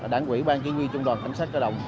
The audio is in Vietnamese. đảng quỹ ban chí nguyên trung đoàn cảnh sát cơ động